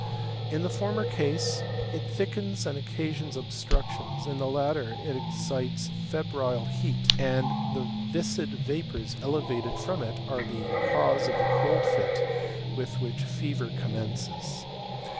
In the former case It thickens and occasions obstructions ; in the latter it excites febrile heat ; and the viscid vapours elevated from it are the cause of the cold fit with which fevei commences.